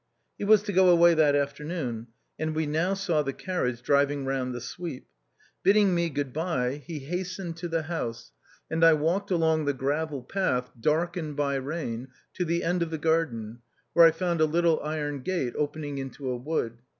He was to go away that afternoon, and we now saw the carriage driving round the sweep. Bidding me good bye, he hastened 74 THE OUTCAST. to the bouse, and I walked along the gravel path, darkened by rain, to the end of the garden, where I found a little iron gate opening into a wood.